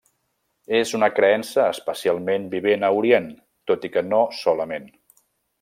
És una creença especialment vivent a Orient, tot i que no solament.